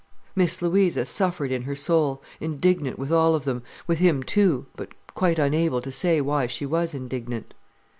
Miss Louisa suffered in her soul, indignant with all of them, with him too, but quite unable to say why she was indignant.